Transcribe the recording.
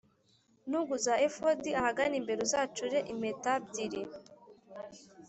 Ntugu za efodi ahagana imbere uzacure impeta byiri